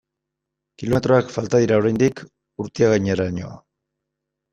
Kilometroak falta dira oraindik Urtiagaineraino.